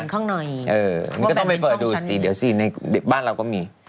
แล้วต้องไปเปิดดูสิแบบเราก็มี